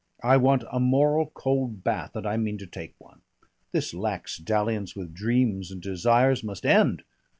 I want a moral cold bath and I mean to take one. This lax dalliance with dreams and desires must end.